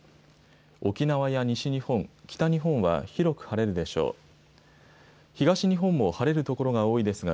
沖縄や西日本、北日本は広く晴れるでしょう。